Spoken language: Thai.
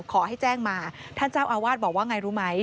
ขอให้แจ้งมาท่านเจ้าอาวาสบอกว่าไงรู้ไหม